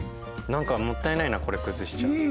何かもったいないなこれ崩しちゃうの。